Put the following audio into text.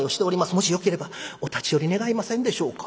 もしよければお立ち寄り願えませんでしょうか」。